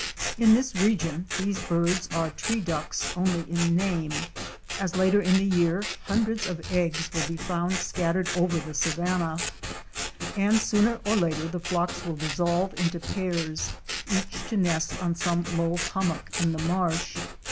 In this region these birds are Tree ducks only in name, as later in the year hundreds of eggs will be found scattered over the savanna, and sooner or later the flocks will dissolve into pairs, each to nest on some low hummock in the marsh.